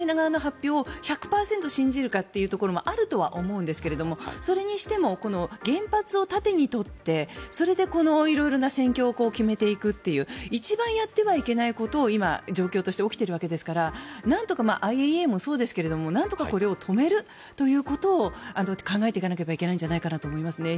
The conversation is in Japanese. そういうこともありますしあと、ウクライナ側の発表を１００％信じるかというところもあるかと思うんですがそれにしても原発を盾にとってそれで色々な戦況を決めていくという一番やってはいけないことが今、状況として起きているわけですからなんとかＩＡＥＡもそうですがなんとかこれを止めるということを考えていかなければいけないんじゃないかなと思いますね。